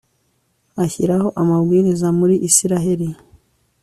ashyiraho amabwiriza muri israheli